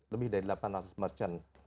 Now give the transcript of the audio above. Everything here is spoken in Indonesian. lebih dari delapan ratus merchant